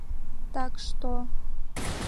Так што...